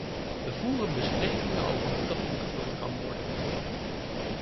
We voeren besprekingen over hoe dat ingevuld kan worden.